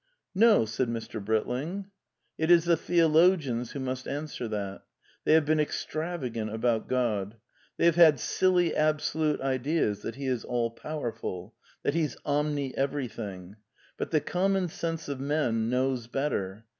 "'No/ said Mr. Britling; Mt is the theologians who must answer that They have been extravagant about God. They have had silly absolute ideas — that he is all powerful. That he's omni everything. But the common sense of men knows better.